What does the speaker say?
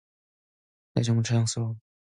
네가 정말 자랑스러워.